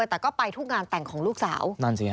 แต่ก็ไปทุกงานแต่งของลูกสาว